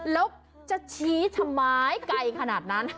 แล้วจะชี้ทำไมไกลขนาดนั้น